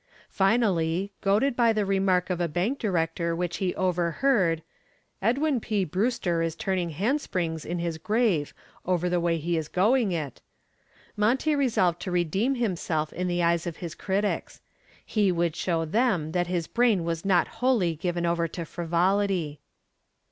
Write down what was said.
Finally, goaded by the remark of a bank director which he overheard, "Edwin P. Brewster is turning handsprings in his grave over the way he is going it," Monty resolved to redeem himself in the eyes of his critics. He would show them that his brain was not wholly given over to frivolity.